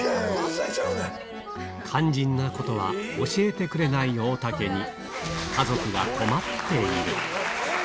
肝心なことは教えてくれない大竹に、家族が困っている。